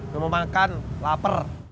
gue mau makan lapar